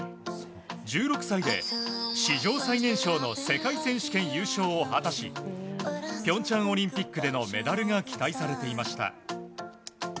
１６歳で史上最年少の世界選手権優勝を果たし平昌オリンピックでのメダルが期待されていました。